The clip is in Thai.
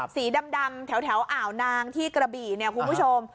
สีดำแถวอ่าวนางที่กระบี่เนี่ยคุณผู้ชม